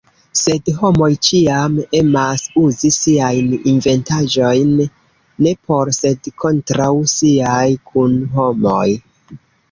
Sed homoj ĉiam emas uzi siajn inventaĵojn ne por sed kontraŭ siaj kunhomoj.